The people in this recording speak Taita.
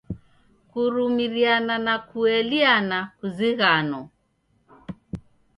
Kurumiriana na kueliana kuzighano.